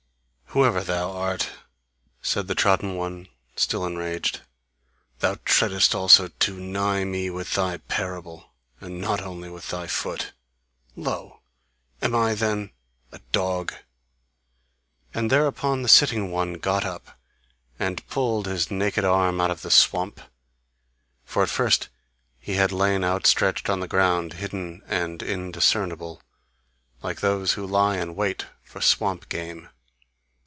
"Whoever thou art," said the trodden one, still enraged, "thou treadest also too nigh me with thy parable, and not only with thy foot! Lo! am I then a dog?" And thereupon the sitting one got up, and pulled his naked arm out of the swamp. For at first he had lain outstretched on the ground, hidden and indiscernible, like those who lie in wait for swamp game.